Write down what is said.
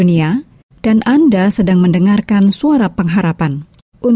kiranya tuhan memberkati kita semua